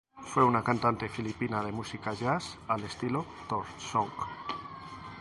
Fue una cantante filipina de música jazz al estilo Torch song.